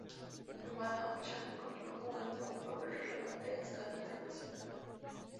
Madame Chang continuó jugando un papel relevante a escala internacional.